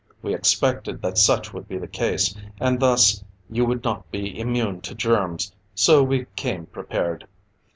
We expected that such would be the case, and thus, you would not be immune to germs, so we came prepared.